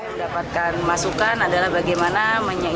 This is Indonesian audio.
mendapatkan masukan adalah bagaimana